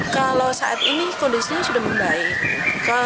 kalau saat ini kondisinya sudah membaik